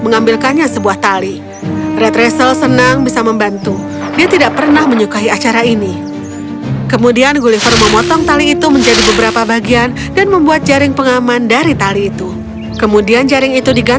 gulliver berpikir sejenak tentang hal itu dan meminta red